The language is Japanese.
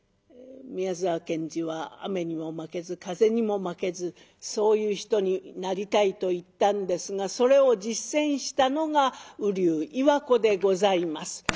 宮沢賢治は「雨にも負けず風にも負けずそういう人になりたい」と言ったんですがそれを実践したのが瓜生岩子でございます。